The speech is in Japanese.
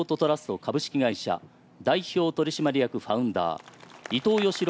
株式会社代表取締役ファウンダー伊藤與朗